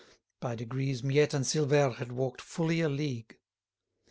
By degrees Miette and Silvère had walked fully a league.